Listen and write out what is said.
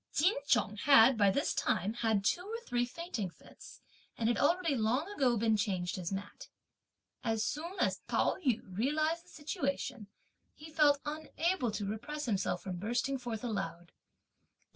Ch'in Chung had, by this time, had two or three fainting fits, and had already long ago been changed his mat. As soon as Pao yü realised the situation, he felt unable to repress himself from bursting forth aloud.